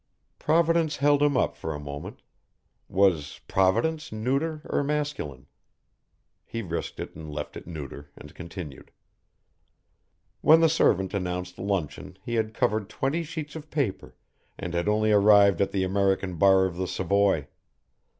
Providence held him up for a moment. Was Providence neuter or masculine? he risked it and left it neuter and continued. When the servant announced luncheon he had covered twenty sheets of paper and had only arrived at the American bar of the Savoy.